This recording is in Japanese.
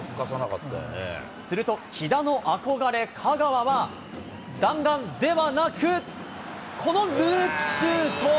すると喜田の憧れ、香川は、弾丸ではなく、このループシュート。